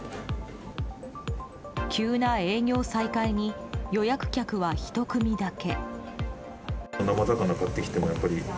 急な営業再開に予約客は１組だけ。